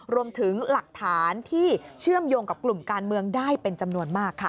รวมถึงหลักฐานที่เชื่อมโยงกับกลุ่มการเมืองได้เป็นจำนวนมากค่ะ